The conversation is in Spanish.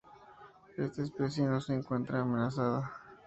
Esta especie no se encuentra amenazada.